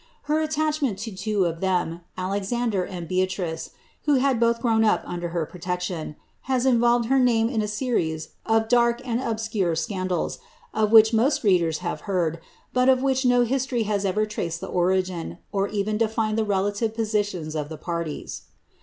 Her attachment to two of ibein, .'\lcxander and Iki trice, who had both grown up under her protection, has iiivolvtd lie: name in a series of dark and obscure scandals, of which most leailir: have heard, bin of which no history has ever traced the urigin, or e>£:: delined the relative positions of the parlies.